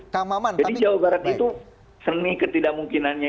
jadi di jawa barat itu seni ketidakmungkinannya